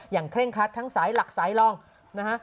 เคร่งครัดทั้งสายหลักสายรองนะฮะ